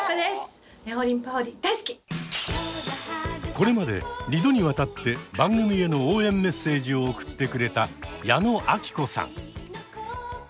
これまで２度にわたって番組への応援メッセージを送ってくれた矢野顕子さん。